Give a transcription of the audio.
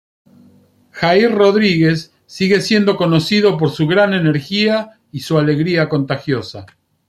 Jair Rodrigues sigue siendo conocido por su gran energía y su alegría contagiosa.